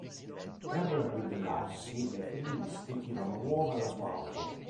Per ribellarsi, le femministe tirano uova alla sua auto.